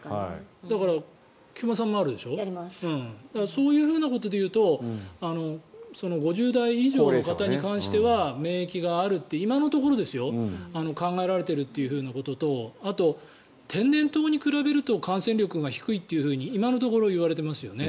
そういうことでいうと５０代以上の方に関しては免疫があるって、今のところ考えられているということとあと、天然痘に比べると感染力が低いというふうに今のところ言われていますよね。